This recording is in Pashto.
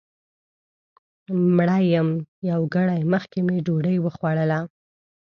مړه یم یو ګړی مخکې مې ډوډۍ وخوړله